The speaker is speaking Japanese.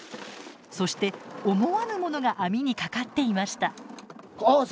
そして思わぬものが網にかかっていました。